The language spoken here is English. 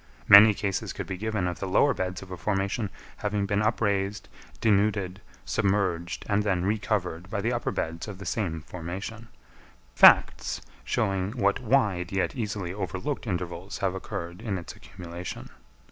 Many cases could be given of the lower beds of a formation having been upraised, denuded, submerged, and then re covered by the upper beds of the same formation—facts, showing what wide, yet easily overlooked, intervals have occurred in its accumulation.